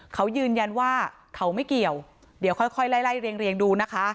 เขายืนยันว่าเขาไม่เกี่ยวเดี๋ยวค่อยไล่เรียงดูนะคะ